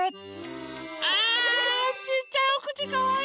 あちっちゃいおくちかわいい！